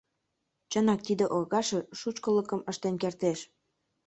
Чынак, тиде оргажше шучкылыкым ыштен кертеш.